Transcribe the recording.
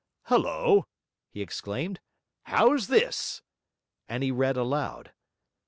'Hullo!' he exclaimed. 'How's this?' And he read aloud.